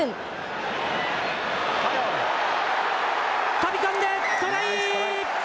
飛び込んで、トライ。